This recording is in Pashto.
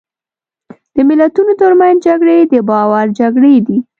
د ملتونو ترمنځ جګړې د باور جګړې دي.